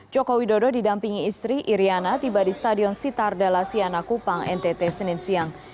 jokowi dodo didampingi istri iryana tiba di stadion sitar dala sianaku pang ntt senin siang